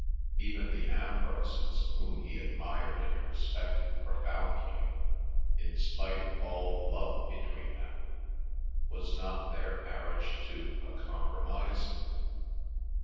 Even the Ambroses, whom he admired and respected profoundly—in spite of all the love between them, was not their marriage too a compromise?